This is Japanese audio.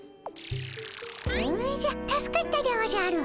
おじゃ助かったでおじゃる。